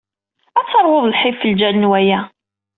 Ad teṛwuḍ lḥif ɣef lǧal n waya.